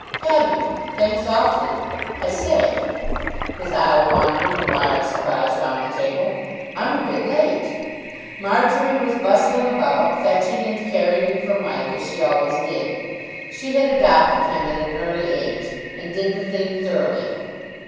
"Have you? Thanks awfully. I say " his eye wandered in mild surprise round the table. "I'm a bit late." Marjory was bustling about, fetching and carrying for Mike, as she always did. She had adopted him at an early age, and did the thing thoroughly.